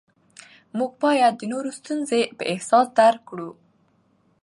موږ باید د نورو ستونزې په احساس درک کړو